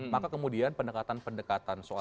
maka kemudian pendekatan pendekatan soal